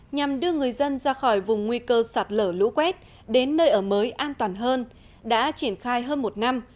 nhằm đưa người dân ra khỏi vùng nguy cơ sạt lở lũ quét đến nơi ở mới an toàn hơn đã triển khai hơn một năm